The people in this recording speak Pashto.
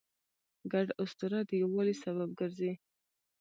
ګډ اسطوره د یووالي سبب ګرځي.